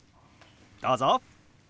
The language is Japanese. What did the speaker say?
どうぞ。